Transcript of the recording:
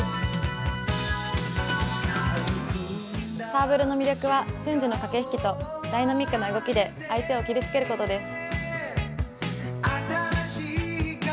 サーブルの魅力は瞬時の駆け引きとダイナミックな動きで相手を切りつけることです。